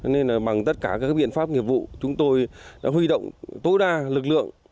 nên bằng tất cả các biện pháp nghiệp vụ chúng tôi đã huy động tối đa lực lượng